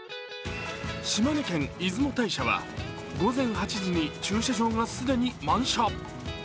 島根県出雲大社は午前８時に駐車場が既に満車。